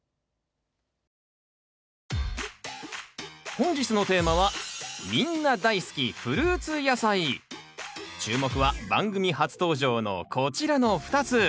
本日のテーマはみんな大好き注目は番組初登場のこちらの２つ。